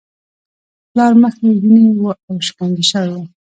د پلار مخ یې وینې و او شکنجه شوی و